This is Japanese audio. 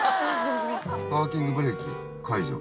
パーキングブレーキ解除。